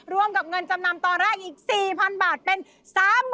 รวมกับเงินจำนำตอนแรกอีก๔๐๐๐บาทเป็น๓๐๐๐